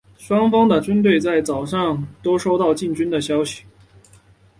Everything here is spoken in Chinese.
双方的军队在早上都收到进军的消息。